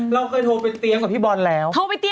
เราเคยโทรไปเตียงกับพี่บอลแล้ว